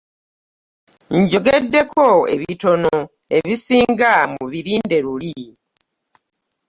Njogeddeko ebitono, ebisinga mubirinde luli.